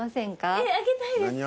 えっあげたいです。